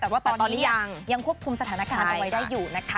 แต่ว่าตอนนี้ยังควบคุมสถานการณ์เอาไว้ได้อยู่นะคะ